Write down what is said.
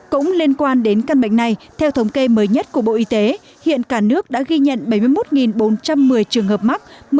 cũng liên quan đến căn bệnh này theo thống kê mới nhất của bộ y tế hiện cả nước đã ghi nhận bảy mươi một bốn trăm một mươi trường hợp mắc